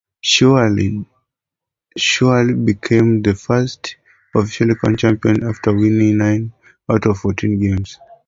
Surrey became the first official county champions after winning nine out of fourteen games.